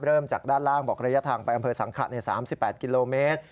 เริ่มจากด้านล่างบอกระยะทางไปอำเภอสังขะ๓๘กิโลเมตร